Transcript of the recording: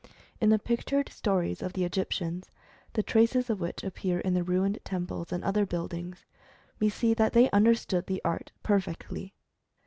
In the pictured stories ^ of the Egyptians, the traces of which appear in their ruined temples and other buildings, we see that they understood the art perfectly.